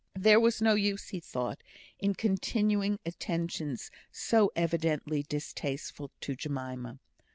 There was no use, he thought, in continuing attentions so evidently distasteful to Jemima.